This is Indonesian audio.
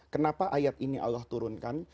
kenapa ayat ini allah turunkan